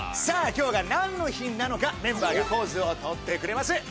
さあ今日が何の日なのかメンバーがポーズをとってくれます。